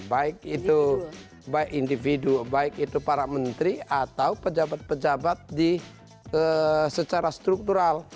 baik itu baik individu baik itu para menteri atau pejabat pejabat secara struktural